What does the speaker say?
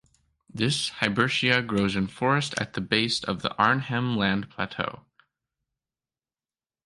This hibbertia grows in forest at the base of the Arnhem Land Plateau.